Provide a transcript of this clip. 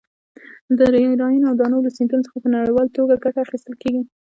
د راین او دانوب له سیندونو څخه په نړیواله ټوګه ګټه اخیستل کیږي.